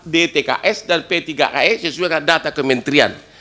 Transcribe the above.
dtks dan ptke sesuai dengan data kementerian